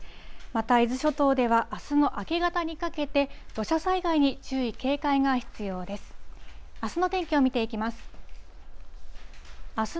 また、伊豆諸島ではあすの明け方にかけて、土砂災害に注意、警戒が必要です。